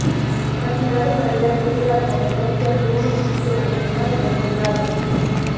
La ciudad de Mirabel tiene las competencias de un municipio regional de condado.